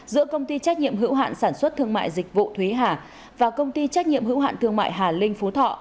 giữa công ty trách nhiệm hữu hạn sản xuất thương mại dịch vụ thúy hà và công ty trách nhiệm hữu hạn thương mại hà linh phú thọ